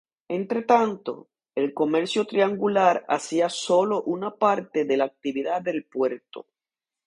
Entretanto, el comercio triangular hacía solo una parte de la actividad del puerto.